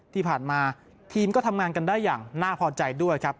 ที่ผ่านมาทีมก็ทำงานกันได้อย่างน่าพอใจด้วยครับ